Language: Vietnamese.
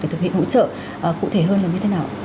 để thực hiện hỗ trợ cụ thể hơn là như thế nào